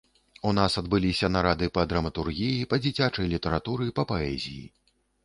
У нас адбыліся нарады па драматургіі, па дзіцячай літаратуры, па паэзіі.